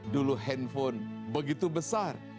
dulu handphone begitu besar